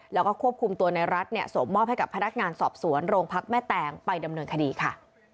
แล้วก็ควบคุมตัวในรัฐส่งมอบให้กับพนักงานสอบสวนโรงพักแม่แตงไปดำเนินคดีค่ะ